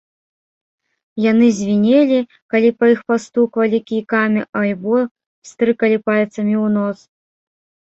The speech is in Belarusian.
Яны звінелі, калі па іх пастуквалі кійкамі альбо пстрыкалі пальцамі ў нос.